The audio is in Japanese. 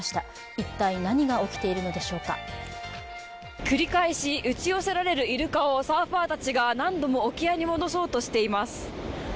一体、何が起きているのでしょうか繰り返し打ち寄せられるイルカをサーファーたちが何度も沖合に戻そうとしています。